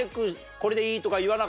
これでいい？とか。